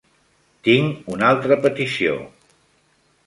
Tinc una altra petició.